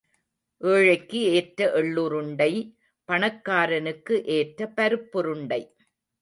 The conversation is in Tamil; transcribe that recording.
ஏழைக்கு ஏற்ற எள்ளுருண்டை பணக்காரனுக்கு ஏற்ற பருப்புருண்டை.